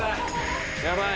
ヤバい！